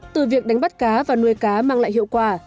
từ việc đánh bắt cá và nuôi cá mang lại hiệu quả